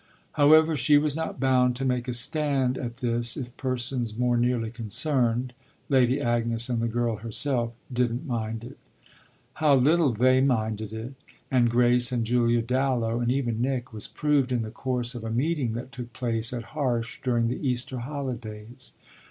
However, she was not bound to make a stand at this if persons more nearly concerned, Lady Agnes and the girl herself, didn't mind it. How little they minded it, and Grace and Julia Dallow and even Nick, was proved in the course of a meeting that took place at Harsh during the Easter holidays.